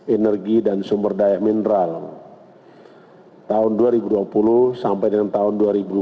energi dan sumber daya mineral tahun dua ribu dua puluh sampai dengan tahun dua ribu dua puluh